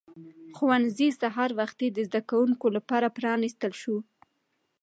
ښوونځی سهار وختي د زده کوونکو لپاره پرانیستل شو